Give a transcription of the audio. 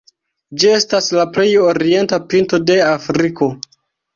Ĝi estas la plej orienta pinto de Afriko.